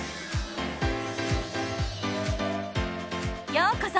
ようこそ！